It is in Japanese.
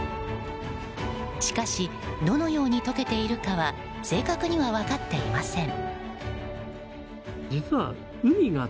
しかしどのように解けているかは正確には分かっていません。